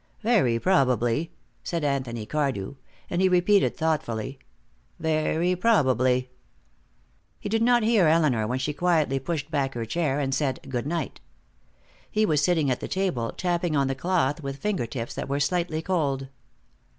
"Very probably," said Anthony Cardew. And he repeated, thoughtfully, "Very probably." He did not hear Elinor when she quietly pushed back her chair and said "good night." He was sitting at the table, tapping on the cloth with finger tips that were slightly cold.